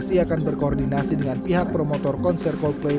psi akan berkoordinasi dengan pihak promotor konser coldplay